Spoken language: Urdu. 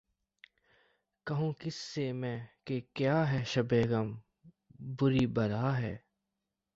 کہوں کس سے میں کہ کیا ہے شبِ غم بری بلا ہے